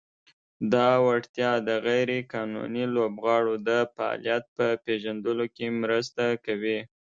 دا وړتیا د "غیر قانوني لوبغاړو د فعالیت" په پېژندلو کې مرسته کوي.